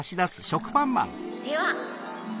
では。